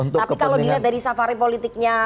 tapi kalau dilihat dari safari politiknya